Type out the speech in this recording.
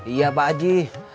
iya pak ji